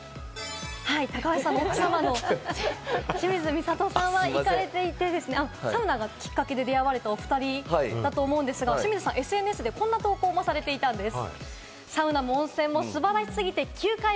高橋さんの奥様、清水みさとさんは行かれていてですね、サウナがきっかけで出会われたお２人だと思うんですが、清水さん、ＳＮＳでこんな投稿もされていたんです。